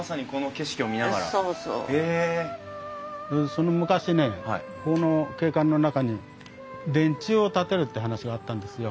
その昔ねこの景観の中に電柱を建てるって話があったんですよ。